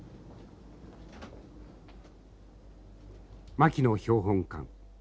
牧野標本館。